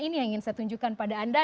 ini yang ingin saya tunjukkan pada anda